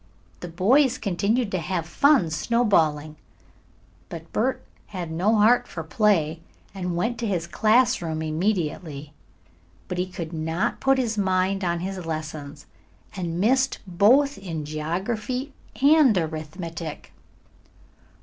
The boys continued to have fun snowballing, but Bert had no heart for play and went to his classroom immediately. But he could not put his mind on his lessons and missed both in geography and arithmetic.